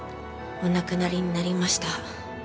お亡くなりになりました。